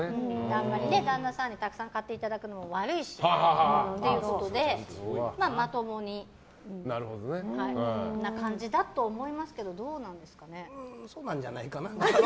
旦那さんにたくさん買っていただくのも悪いしということでまともな感じだと思いますけどどうなんですかね。